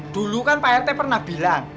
dulu kan pak rt pernah bilang